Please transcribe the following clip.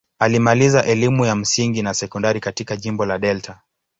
Alimaliza elimu ya msingi na sekondari katika jimbo la Delta.